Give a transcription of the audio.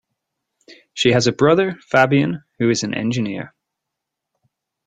She has a brother, Fabien, who is an engineer.